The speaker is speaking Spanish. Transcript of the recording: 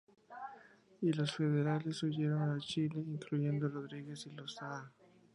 Y los federales huyeron a Chile, incluyendo a Rodríguez y los Saá.